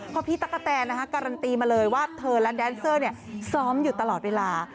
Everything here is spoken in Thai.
เพราะพี่ตั๊กกะแตนการันตีมาเลยว่าเธอและแดนเซอร์ซ้อมอยู่ตลอดเวลา